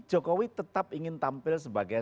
jokowi tetap ingin tampil sebagai